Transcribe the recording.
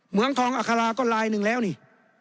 เมืองทองอัคราก็ลายหนึ่งแล้วนี่